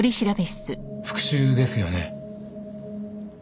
復讐ですよね？